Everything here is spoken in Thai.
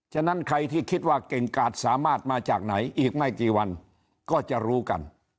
ฉะนั้นใครที่คิดว่าเก่งกาดสามารถมาจากไหนอีกไม่กี่วันก็จะรู้กัน